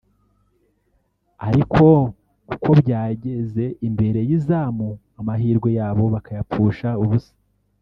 ariko uko bageze imbere y’izamu amahirwe yabo bakayapfusha ubusa